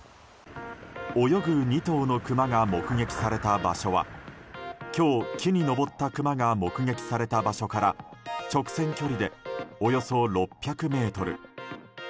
泳ぐ２頭のクマが目撃された場所は今日、木に登ったクマが目撃された場所から直線距離でおよそ６００ｍ。